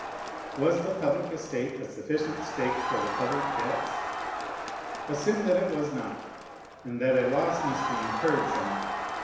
Was the public estate a sufficient stake for the public debts? Assume that it was not, and that a loss must be incurred somewhere.